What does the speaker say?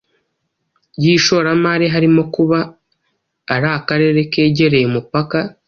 yishoramari harimo kuba ari akarere kegereye umupaka